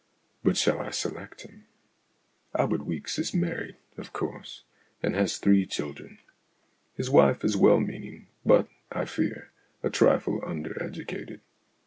But shall I select him ? Albert Weeks is married, of course, and has three children. His wife is well meaning, but, I fear, a trifle under educated.